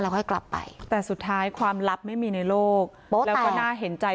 ค่อยกลับไปแต่สุดท้ายความลับไม่มีในโลกแล้วก็น่าเห็นใจ